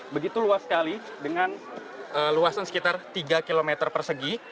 begitu luas sekali dengan luasan sekitar tiga km persegi